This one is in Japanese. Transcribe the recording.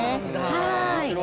はい。